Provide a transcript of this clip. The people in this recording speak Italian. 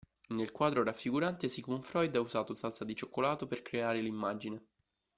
Nel quadro raffigurante Sigmund Freud ha usato salsa di cioccolato per creare l'immagine.